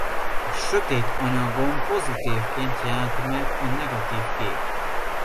A sötét anyagon pozitívként jelent meg a negatív kép.